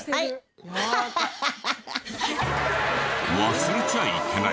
忘れちゃいけない